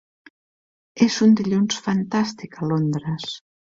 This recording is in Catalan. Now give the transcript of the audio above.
És un dilluns fantàstic a Londres.